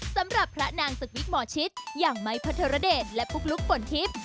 สำหรับพระนางสวิกหมอชิตอย่างไม้พระธรเดชและปุ๊กลุ๊กฝนทิพย์